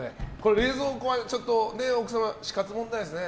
冷蔵庫は、奥様死活問題ですね。